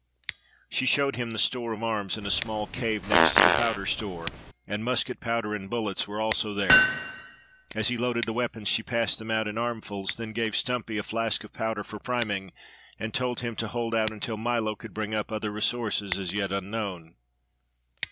She showed him the store of arms, in a small cave next to the powder store, and musket powder and bullets were also there. As he loaded the weapons, she passed them out in armfuls, then gave Stumpy a flask of powder for priming, and told him to hold out until Milo could bring up other resources as yet unknown.